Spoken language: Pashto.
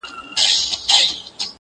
• یو ګړی یې خپل کورګی او ځنګل هېر کړ -